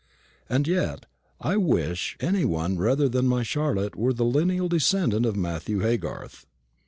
And yet I wish any one rather than my Charlotte were the lineal descendant of Matthew Haygarth.